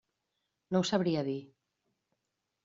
No ho sabria dir.